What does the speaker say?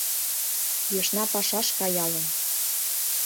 Ешна пашаш каялын